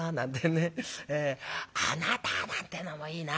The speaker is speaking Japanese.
『あなた』なんてのもいいな。